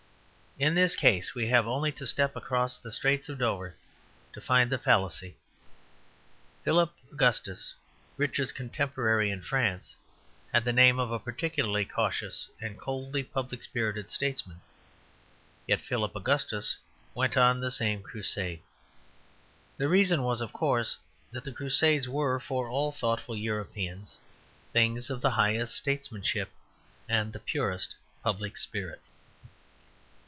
In this case we have only to step across the Straits of Dover to find the fallacy. Philip Augustus, Richard's contemporary in France, had the name of a particularly cautious and coldly public spirited statesman; yet Philip Augustus went on the same Crusade. The reason was, of course, that the Crusades were, for all thoughtful Europeans, things of the highest statesmanship and the purest public spirit.